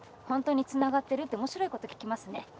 「本当につながってる？」って面白いこと聞きますね。